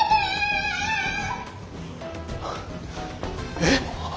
えっ？